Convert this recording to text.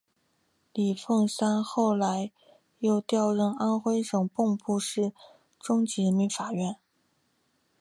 李奉三后来又调任安徽省蚌埠市中级人民法院院长。